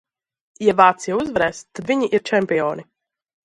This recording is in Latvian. Ja Vācija uzvarēs, tad viņi ir čempioni!